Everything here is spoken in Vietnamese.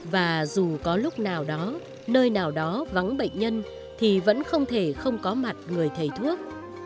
và dù có lúc nào đó nơi nào đó vắng bệnh nhân thì vẫn không thể không có mặt người thầy thuốc